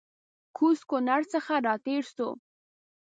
کوز کونړ څخه راتېر سوو